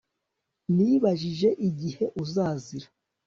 Nibajije igihe uzazira